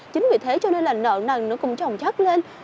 chính vì thế cho nên là nợ nần nó cũng trồng chất lên